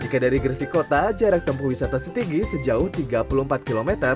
jika dari gresik kota jarak tempuh wisata setinggi sejauh tiga puluh empat km